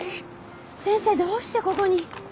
先生どうしてここに？